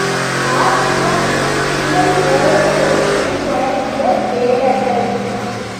நாற்புறமும் சிதறி ஓடுவதற்குத் தொடங்கிய வேடர்கள்.